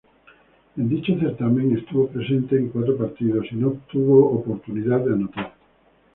En dicho certamen, estuvo presente en cuatro partidos y no tuvo oportunidad de anotar.